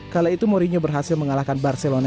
kala itu mourinho berhasil mengalahkan barcelona